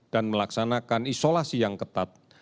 dan melaksanakan isolasi yang ketat